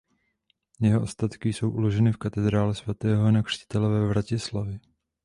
Jeho ostatky jsou uloženy v katedrále svatého Jana Křtitele ve Vratislavi.